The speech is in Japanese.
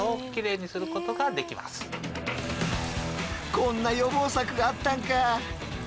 こんな予防策があったんか。